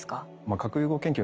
核融合研究